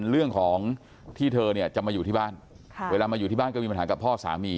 เรื่องของที่เธอเนี่ยจะมาอยู่ที่บ้านเวลามาอยู่ที่บ้านก็มีปัญหากับพ่อสามี